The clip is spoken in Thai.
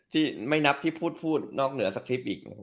ที่ไม่นับที่พูดนอกเหนือสคริปต์อีก